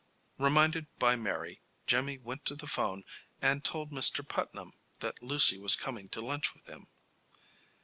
Reminded by Mary, Jimmy went to the 'phone and told Mr. Putnam that Lucy was coming to lunch with him.